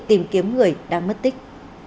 tìm kiếm người đang mất tích